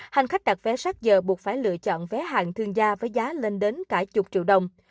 hành khách đặt vé sát giờ buộc phải lựa chọn vé hàng thương gia với giá lên đến cả chục triệu đồng